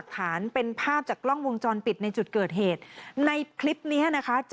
คุณต้องทำแบบนี้